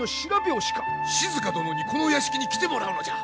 静殿にこのお屋敷に来てもらうのじゃ。